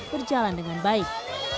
berjalan dengan baik